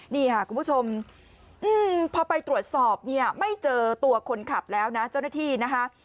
นี่ค่ะคุณผู้ชมพอไปตรวจสอบเนี่ยไม่เจอตัวคนขับแล้วนะเจ้าหน้าที่นะคะ